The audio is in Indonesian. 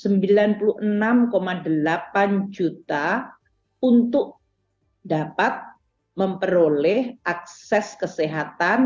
rp sembilan puluh enam delapan juta untuk dapat memperoleh akses kesehatan